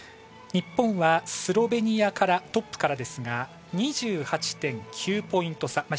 日本はスロベニアからトップからですが２８．９ポイント差。